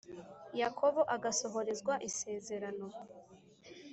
yakobo agasohorezwa isezerano